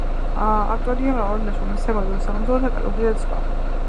ავტორია მრავალი ნაშრომისა: „გეოდეზიის სახელმძღვანელო“, „კარტოგრაფია“ და სხვა.